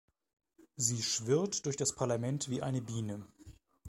Sie schwirrt durch das Parlament wie eine Biene.